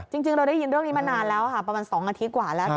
จริงเราได้ยินเรื่องนี้มานานแล้วค่ะประมาณ๒อาทิตย์กว่าแล้ว